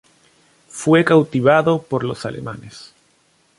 Fue cautivado por los alemanes.